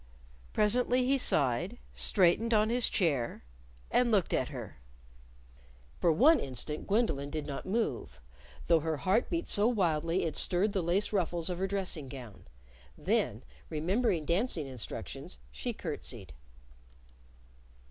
Presently he sighed, straightened on his chair, and looked at her. For one instant Gwendolyn did not move though her heart beat so wildly that it stirred the lace ruffles of her dressing gown. Then, remembering dancing instructions, she curtsied.